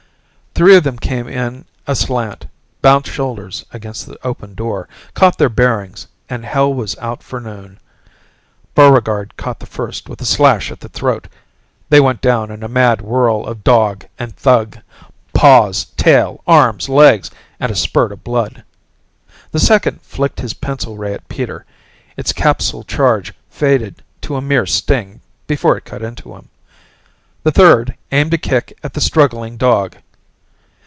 Three of them came in a slant, bounced shoulders against the opened door, caught their bearings and hell was out for noon. Buregarde caught the first with a slash at the throat; they went down in a mad whirl of dog and thug, paws, tail, arms, legs and a spurt of blood. The second flicked his pencil ray at Peter, its capsule charge faded to a mere sting before it cut into him. The third aimed a kick at the struggling dog.